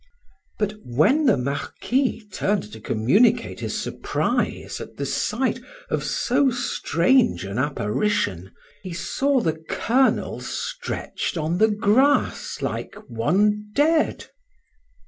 But when the Marquis turned to communicate his surprise at the sight of so strange an apparition, he saw the Colonel stretched on the grass like one dead.